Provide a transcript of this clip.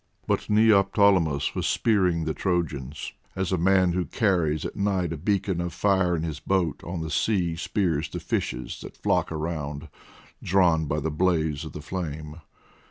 But Neoptolemus was spearing the Trojans, as a man who carries at night a beacon of fire in his boat on the sea spears the fishes that flock around, drawn by the blaze of the flame.